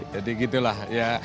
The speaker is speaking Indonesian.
jadi gitu lah ya